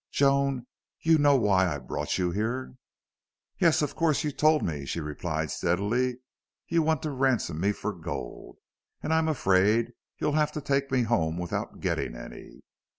"Joan! You know why I brought you here?" "Yes, of course; you told me," she replied, steadily. "You want to ransom me for gold.... And I'm afraid you'll have to take me home without getting any."